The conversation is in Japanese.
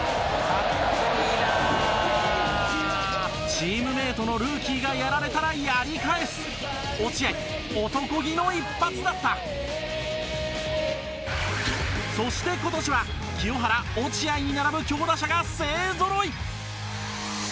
チームメートのルーキーがやられたら、やり返す落合、男気の一発だったそして、今年は清原、落合に並ぶ強打者が勢ぞろい！